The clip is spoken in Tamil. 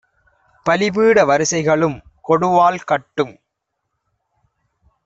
பலிபீட வரிசைகளும் கொடுவாள் கட்டும்